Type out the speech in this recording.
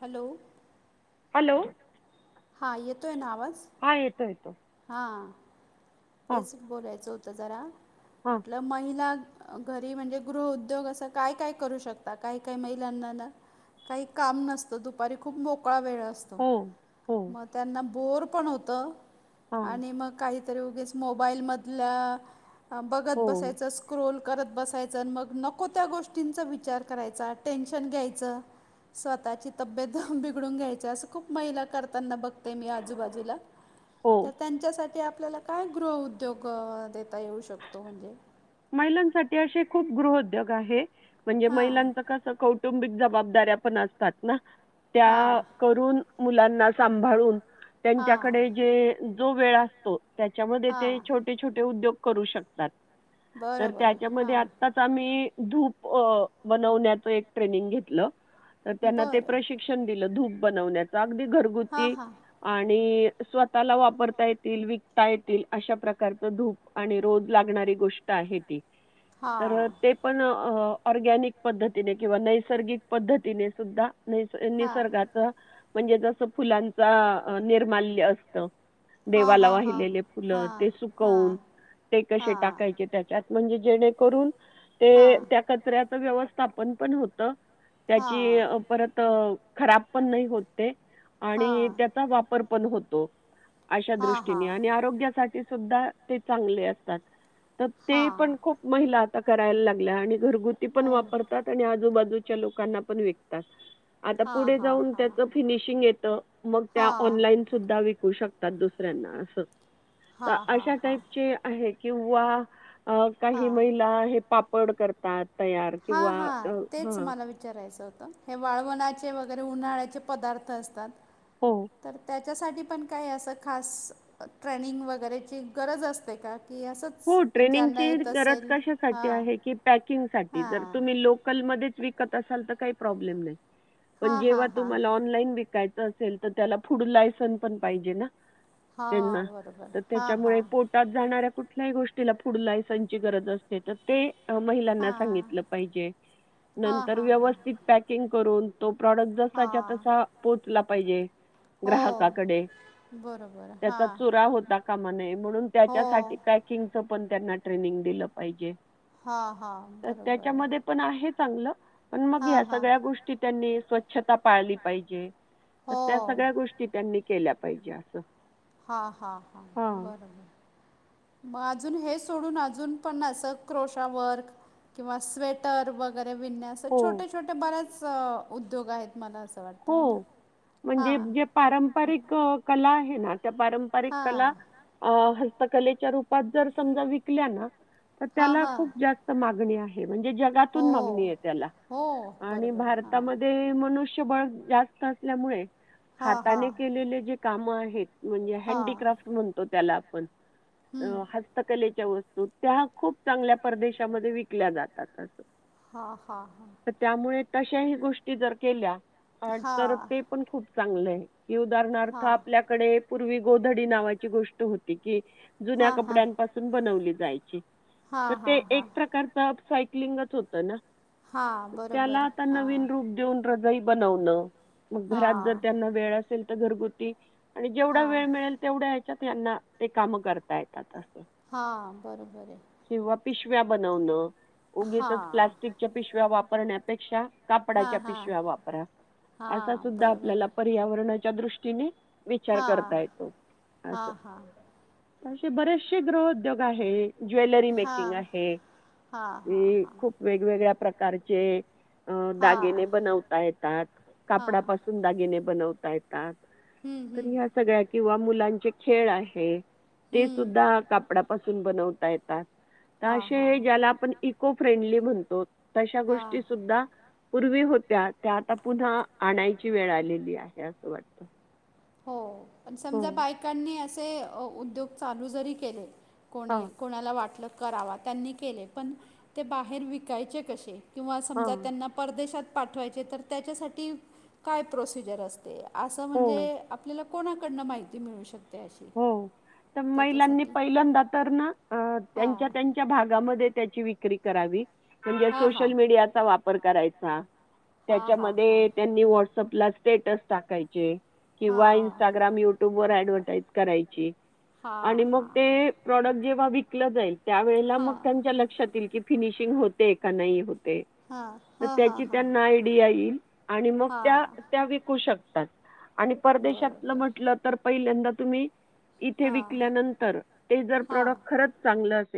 Hello. Hello. हा येतोय ना आवाज. हा येतोय येतोय. हां. तेचं बोलायचं होतं जरा, म्हटलं महिला अं, घरी म्हणजे गृह उद्योग असं काय, काय करू शकता, काय, काय महिलांना ना काय काम नसतं, दुपारी खूप मोकळा वेळ अस तो. मग त्यांना बोर पण होतं आणि मग काहीतरी उगीच मोबाईल मधलं बघत बसायचं, स्क्रोल करतं बसाय चं. आणि मग नको त्या गोष्टींचा विचार करायचा, टेन्शन घ्यायचं. स्वतःची तब्येत बिघडून घ्यायची, असं खूप महिला करताना बघ ते, मी आजूबाजूला तर त्यांच्यासाठी आपल्याला काय गृह उद्योग गं, देता येऊ शकतो म्हणजे. महिलांसाठी असे खूप गृह उद्योग आहे, म्हणजे महिलांच कसं कौटुंबिक जबाब दाऱ्या पण असतात ना, त्या करून मुलांना सांभाळून त्यांच्याकडे जे जो वेळ असतो, त्याच्यामध्ये ते छो टे, छोटे उद्योग करू शकतात, तर त्याच्यामध्ये आता चं आम्ही धुप अ बनवण्याचं एक ट्रेनिंग घेतलं तर त्यांना ते प्रशि क्षण दिलं, धुप बनवण्याचं अगदी घरगुती आणि स्वतःला वापरता येतील, विकता येतील अशा प्रकारचं धूप आणि रोज लागणारी गोष्ट आहे ती, तर ते पण अ, ऑरगॅनिक पद्धतीने किंवा नैसर्गिक पद्धतीने सुद्धा नि-निसर्गाचं म्हणजे जसं फुलांचा निर्माल्य असतं. देवाला वाहिलेले फुलं ते सुकवून ते कशे टाक त्याच्यात म्हणजे जेणेकरून ते त्या कचऱ्याचं व्यवस्थापन पण होतं. त्याची परत खराब पण नाही होतं ते, आणि त्याचा वाप र पण होतो, अशा दृष्टीने आणि आरोग्यासाठी सुद्धा ते चांगले असतात. तर ते पण खूप महिला आता करायला लागल्या आणि घरगुती पण वापरतात आणि आजूबाजूच्या लोकांना पण विकतात. आता पुढे जाऊन त्याचं फिनिशिंग येतं, मग त्या ऑनलाईन सुद्धा विकु शकतात दुसऱ्यांना असं, तर अशा टाईपचे आहे किंवा अ काही महिला हे पापड करतात तयार, किंवा अ हं विचारायचं होतं, हे वाळवणाचे वगैरे उन्हाळ्याचे पदार्थ असतात. हो. तर त्याच्यासाठी पण काही असं खास ट्रेनिंग वगैरेची गरज असते का? की असंच. हो, ट्रेनिंगची गरज कशासाठी आहे, की पॅकिंगसाठी, जर तुम्ही लोकलमध्येच विकत असालं, तर काही प्रॉब्लेम नाही. पण जेव्हा तुम्हाला ऑनलाईन विकायचं असेल, तर त्याला फूड लायसन्स पण पाहिजे ना? त्यांना, तर त्याच्यामुळे पोट टात जाणाऱ्या कुठल्याही गोष्टीला फूड लायसन्स ची गरज असते तर. ते महिलांना सांगितलं पाहिजे, नंतर व्यवस्थित पॅकिंग करून तो प्रॉडक्ट जसाच्या तसा पोहोचला पाहिजे. ग्राहकाकडे, त्याचा चुरा होता कामा नये, म्हणून त्याच्यासाठी पॅकिंगच पण त्यांना ट्रेनिंग दिलं पाहिजे. तर त्याच्यामध्ये पण आहे चांगलं, पण मग ह्या सगळ्या गोष्टी ची त्यांनी स्वच्छता पाळली पाहिजे, तर त्या सगळ्या गोष्टी- ते त्यांनी केल्या पाहिजे असं. हा हा हां बरोबर मग अजून हे सोडून अजून पण असं क्रोशा वर्क किंवा स्वेटर व- वगैरे विन्यास छोटे छोटे बरेच अ उद्योग आहेत मला अस हो म्हणजे जे पारंपरिक अ कला आहे ना त्या पारंपरिक कला- अ हस्तकलेच्या रूपात जर समजा विकल्या ना तर त्याला खूप जात मागणी आहे. म्हणजे जगातून मागणी आहे. त्याला आणि भारतामध्ये. ते मनुष्यबळ जास्त असल्यामुळे हाताने केलेले जे काम आहेत. म्हणजे हँडीक्राफ्ट म्हणतो त्याला आपण- हस्तकलेच्या वस्तू त्या खूप चांगल्या परदेशामध्ये विकल्या जातात असंतात. हां हा हां तर त्यामुळे तशाही गोष्टी जर केल्या तर ते पण खूप चांगलं आहे. कि उदाहरणार्थ आपल्याकडे पूर्वी गोधडी नावाची गोष्ट होती कि, जुन्या कपड्यांपासून बनली जायची तर ते एक प्र- तर टाप सायकलींगच होतं ना त्याला आता नवीन रूप देऊन रजई बनवणं मग घरात जर त्यांना वेळ असेल तर घरुगुती, आणि जेवढा वेळ मिळेल तेवढ्या ह्याच्यात यांना ते कामं करता येतात असं. हा बरोबर आहे. किंवा पिशव्या बनवणं उगीच प्लास्टिकच्या पिशव्या वापरण्यापेक्षा- कापडाच्या पिशव्या वापरा असा सुद्धा आपल्याला पर्यावरणाच्या दृष्टीने- विचार करता येतो अस अशे बरेचसे गृह उद्योग आहे. ज्वेलरी मेकिंग आहे अ खुप. वेगवेगळ्या प्रकारचे अ दागिने बनवताय. तात कापडपासून दागिने बनता येतात तरी यात. सगळ्या किंवा मुलांचे खेळ आहे ते सुद्धा काप- कपड्यापासून बनवता येतात तर असे हे ज्याला आपण इको फ्रेंडली म्हणतोत. तशा गोष्टी सुद्धा पूर्वी होत्या त्या आता पुन्हा- आणायची वेळ आलेली आहे असं वाटतं. हो पण समजा बायकांनी असे उद्योग चालू जरी केले. कोणी कोणाला वाटलं करावा त्यांनी केले पण ते बाहेर विकायचे कसे. किंवा समजा त्यांना परदेशात पाठवायचे तर त्याच्यासाठी काय प्रोसिजर असतं ते असं म्हणजे आपल्याला कोणाकडनं माहिती मिळू शकते. हो तर महिलांनी पहिल्यांदा तर ना त्यांच्या त्यां- त्यांच्या भागामध्ये त्याची विक्री करावी म्हणजे सोशल मीडियाचा वापर- वापर करायचा त्याच्यामध्ये त्यांनी व्हाट्सअप ला स्टेटस टाकायचे. किंवा इन्स्टाग्राम युट्यूब वर ऍडव्हटाईज करायची आणि मग ते- प्रॉडक्ट जेव्हा विकलं जाईल त्या वेळेला मग त्यांच्या लक्षात येईल की. फिनिशिंग होते का नाही होते तर त्याची त्यांना आयडिया येईल. आणि मग त्या त्या विकू शकतात आणि परदेशातलं म्हटलं तर, पहिल्यांदा तुम्ही इथे विकल्यानंतर ते जर प्रोडक्ट खरच चांगलं.